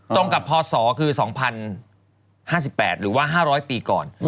ตรงกับพศคือ๒๐๕๘หรือว่า๕๐๐ปีก่อน